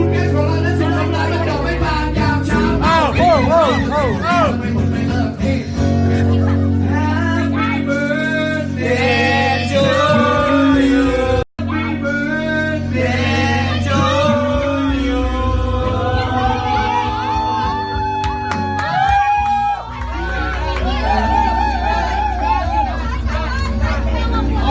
เทสปีหยุด